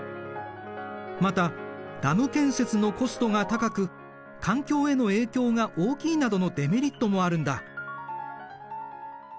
またダム建設のコストが高く環境への影響が大きいなどのデメリットもあるんだ。